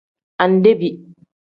Andebi.